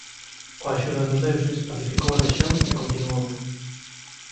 Coa axuda dos deuses pacificou a rexión e continuou.